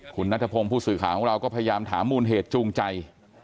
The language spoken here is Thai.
คุณนัทพงศ์ผู้สื่อข่าวของเราก็พยายามถามมูลเหตุจูงใจ